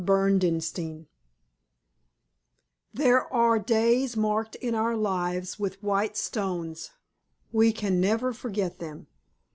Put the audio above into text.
BERDENSTEIN There are days marked in our lives with white stones. We can never forget them.